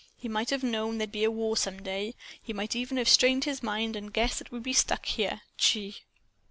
He might have known there'd be a war some day. He might even have strained his mind and guessed that we'd be stuck here. Gee!"